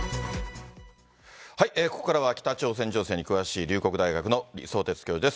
ここからは北朝鮮情勢に詳しい龍谷大学の李相哲教授です。